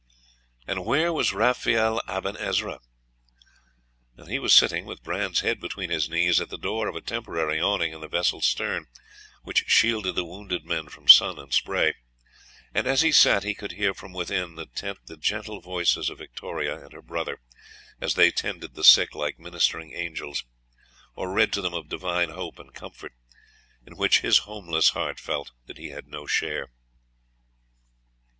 And where was Raphael Aben Ezra? He was sitting, with Bran's head between his knees, at the door of a temporary awning in the vessel's stern, which shielded the wounded men from sun and spray; and as he sat he could hear from within the tent the gentle voices of Victoria and her brother, as they tended the sick like ministering angels, or read to them words of divine hope and comfort in which his homeless heart felt that he had no share....